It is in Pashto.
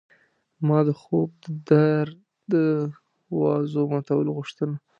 ما د خوب د در د دوازو ماتول غوښته